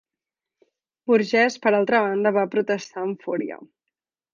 Burgess, per altra banda, va protestar amb fúria.